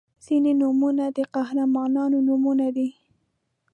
• ځینې نومونه د قهرمانانو نومونه دي.